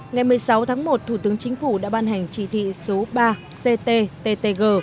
ngày một mươi sáu một thủ tướng chính phủ đã ban hành chỉ thị số ba ctttg